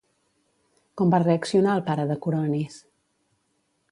Com va reaccionar el pare de Coronis?